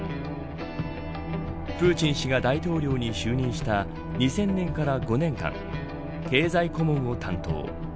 プーチン氏が大統領に就任した２０００年から５年間経済顧問を担当。